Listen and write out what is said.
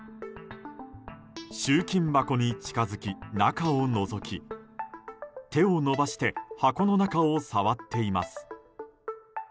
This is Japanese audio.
集金箱に近づき、中をのぞき手を伸ばして箱の中を触っています。